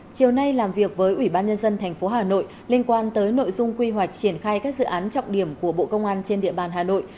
chiều nay làm việc với ủy ban nhân dân tp hà nội liên quan tới nội dung quy hoạch triển khai các dự án trọng điểm của bộ công an trên địa bàn hà nội